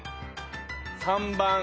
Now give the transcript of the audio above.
３番。